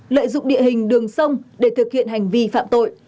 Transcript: lợi dụng địa hình đường sông để thực hiện hành vi phạm tội